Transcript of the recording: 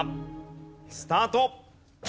スタート。